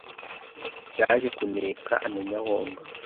Yaje kuneka amenya aho mba,